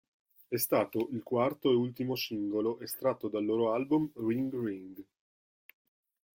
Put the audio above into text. È stato il quarto e ultimo singolo estratto dal loro album "Ring Ring".